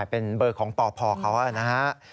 เป็นเบอร์ของตอบพอเขา